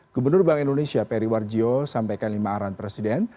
gubernur bank indonesia periwarjo sampaikan lima arahan presiden